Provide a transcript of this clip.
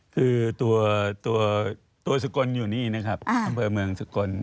คือตัวสกลอยู่นี่นะครับอำเภอเมืองสกล